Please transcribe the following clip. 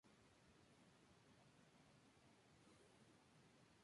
Pese a su corpulencia es muy rápido.